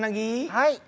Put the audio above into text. はい。